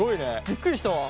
びっくりしたわ。